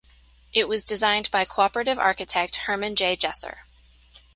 It was designed by cooperative architect Herman J. Jessor.